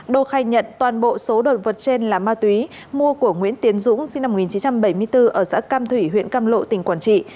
đô khai nhận toàn bộ số đồ vật trên là ma túy mua của nguyễn tiến dũng sinh năm một nghìn chín trăm bảy mươi bốn ở xã cam thủy huyện cam lộ tỉnh quảng trị